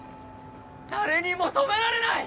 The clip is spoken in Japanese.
誰にも止められない！